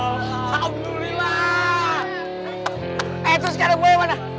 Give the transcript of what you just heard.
eh terus sekarang boy mana